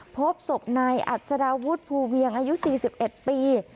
พบศพนายอัศดาวุฒิภูเวียงอายุ๔๑ปี